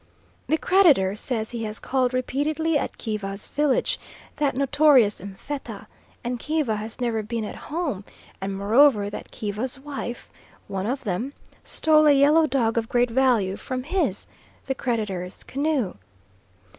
The creditor says he has called repeatedly at Kiva's village, that notorious M'fetta, and Kiva has never been at home; and moreover that Kiva's wife (one of them) stole a yellow dog of great value from his (the creditor's) canoe.